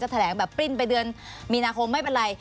แถลงแบบปริ้นไปเดือนมีนาคมไม่เป็นไร